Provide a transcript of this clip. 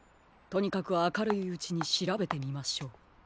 とにかくあかるいうちにしらべてみましょう。